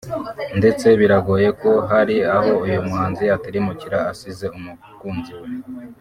ndetse biragoye ko hari aho uyu muhanzi yatirimukira asize umukunzi we